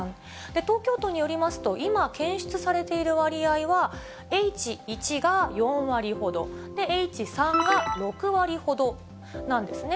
東京都によりますと、今、検出されている割合は、Ｈ１が４割ほど、Ｈ３が６割ほどなんですね。